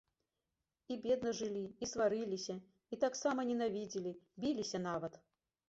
І бедна жылі, і сварыліся, і таксама ненавідзелі, біліся нават.